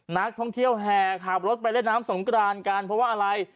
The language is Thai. นักท่องเที่ยวแห่ขับรถไปเล่นน้ำสงกรานกันเพราะว่าอะไร